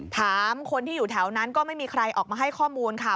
ถามคนที่อยู่แถวนั้นก็ไม่มีใครออกมาให้ข้อมูลค่ะ